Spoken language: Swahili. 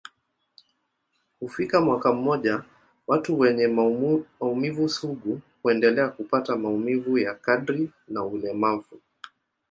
Kufikia mwaka mmoja, watu wenye maumivu sugu huendelea kupata maumivu ya kadri na ulemavu.